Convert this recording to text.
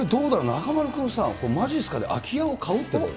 中丸君さあ、まじっすかで空き家を買うってどう？